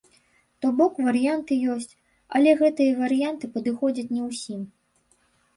То бок варыянты ёсць, але гэтыя варыянты падыходзяць не ўсім.